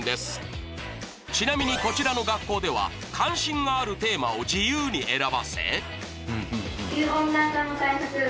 ちなみにこちらの学校では関心があるテーマを自由に選ばせ地球温暖化の対策